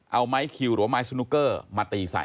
เอาไม้คิวหรือว่าไม้สนุกเกอร์มาตีใส่